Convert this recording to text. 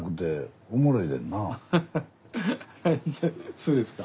そうですか？